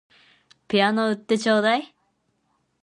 ピアノ売ってちょうだい